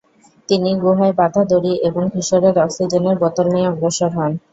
তিনি গুহায় বাঁধা দড়ি এবং কিশোরের অক্সিজেনের বোতল নিয়ে অগ্রসর হন।